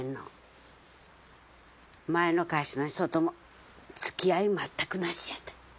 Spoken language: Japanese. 前の会社の人とも付き合い全くなしやて。